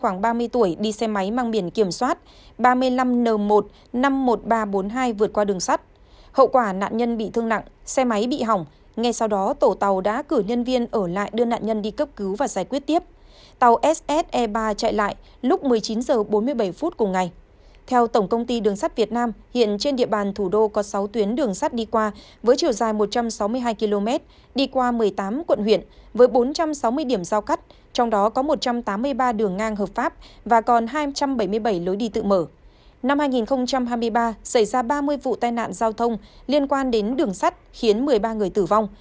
năm hai nghìn hai mươi ba xảy ra ba mươi vụ tai nạn giao thông liên quan đến đường sắt khiến một mươi ba người tử vong